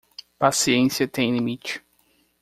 Paciência tem limite